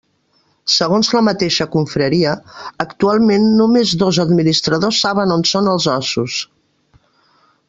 Segons la mateixa confraria, actualment només dos administradors saben on són els ossos.